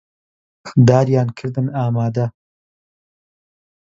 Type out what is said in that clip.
داریان کردن ئامادە